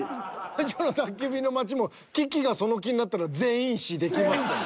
「魔女の宅急便」の街もキキがその気になったら全員死できますよね。